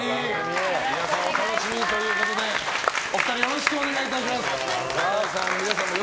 皆さんお楽しみにということでお二人、よろしくお願いします。